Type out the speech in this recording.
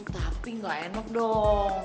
tapi gak enak dong